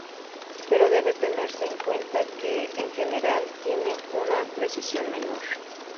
Pero debe tenerse en cuenta que, en general, tienen una precisión menor.